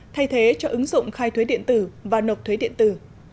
thay thế cho ứng dụng khai thuế điện tử và nộp thuế điện tử